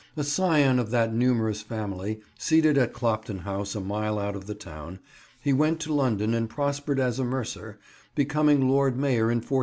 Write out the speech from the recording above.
A scion of that numerous family, seated at Clopton House a mile out of the town, he went to London and prospered as a mercer, becoming Lord Mayor in 1492.